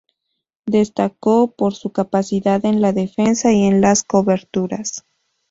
Destacó por su capacidad en la defensa y en las coberturas.